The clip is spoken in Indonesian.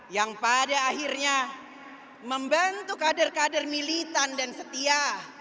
yang pada akhirnya membentuk kader kader militan dan setia